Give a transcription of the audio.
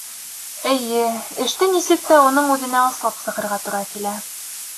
Эйе, эште нисек тә уның үҙенә ослап сығырға тура килә.